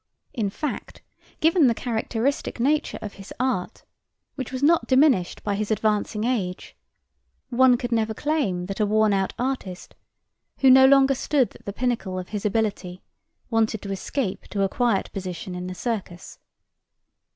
In fact, given the characteristic nature of his art, which was not diminished by his advancing age, one could never claim that a worn out artist, who no longer stood at the pinnacle of his ability, wanted to escape to a quiet position in the circus.